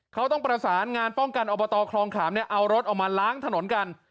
เขาต้องประสานงานป้องกันอบตคลองขามเนี่ยเอารถออกมาล้างถนนกัน